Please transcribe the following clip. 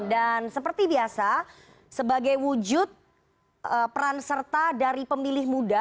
dan seperti biasa sebagai wujud peran serta dari pemilih muda